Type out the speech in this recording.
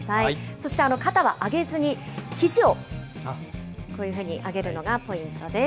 そして肩は上げずに、ひじをこういうふうに上げるのがポイントです。